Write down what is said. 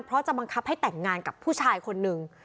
เพราะจะบังคับให้แต่งงานกับผู้ชายคนหนึ่ง